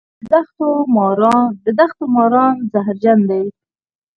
د دښتو ماران زهرجن دي